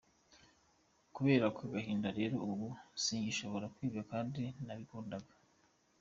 Kubera ako gahinda rero ubu singishobora kwiga kandi nabikundaga.